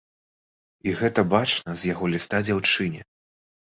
І гэта бачна з яго ліста дзяўчыне.